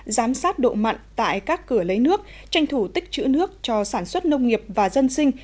giám sát độ mặn tại các cửa lấy nước tranh thủ tích chữ nước cho sản xuất nông nghiệp và dân sinh